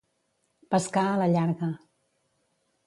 Pescar a la llarga.